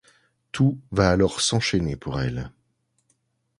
Tout va alors s’enchainer pour elle.